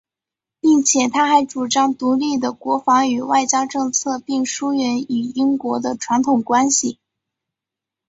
并且他还主张独立的国防及外交政策并疏远与英国的传统关系。